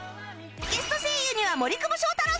ゲスト声優には森久保祥太郎さんも